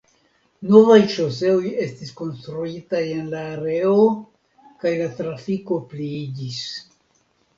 Novaj ŝoseoj estis konstruitaj en la areo kaj la trafiko pliiĝis.